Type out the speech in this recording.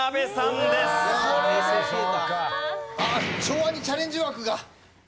昭和にチャレンジ枠が。